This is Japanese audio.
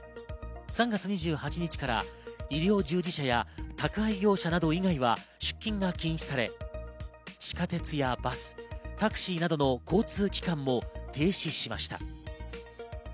３月２８日から医療従事者や宅配業者など以外は出勤が禁止され、地下鉄やバス、タクシーなどの交通機関も停止しました。